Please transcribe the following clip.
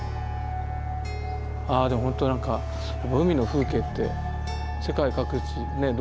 ああでもほんと何か海の風景って世界各地ねえ